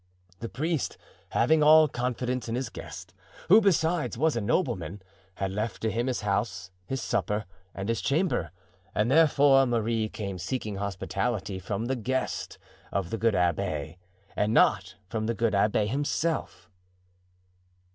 The priest having all confidence in his guest, who, besides, was a nobleman, had left to him his house, his supper and his chamber. And therefore Marie came seeking hospitality from the guest of the good abbé and not from the good abbé himself."